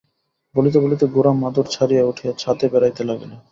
বলিতে বলিতে গোরা মাদুর ছাড়িয়া উঠিয়া ছাতে বেড়াইতে লাগিল।